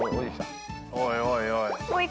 おいおいおい。